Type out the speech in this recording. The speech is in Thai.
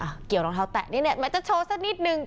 อะเกี่ยวรองเท้าแตะแม็กซ์จะโชว์ซะนิดหนึ่ง